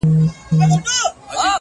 ټول ژوند د غُلامانو په رکم نیسې!!